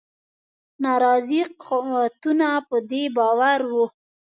ناراضي قوتونه په دې باور وه.